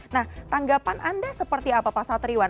nah tanggapan anda seperti apa pak satriwan